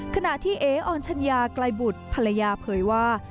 ขณะที่เออออนชัญญาไกลบุตรภรรยาเผยว่า